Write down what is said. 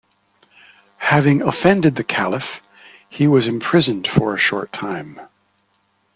Having offended the caliph, he was imprisoned for a short time.